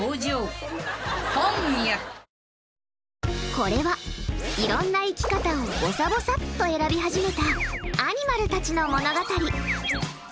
これは、いろんな生き方をぼさぼさっと選び始めたアニマルたちの物語。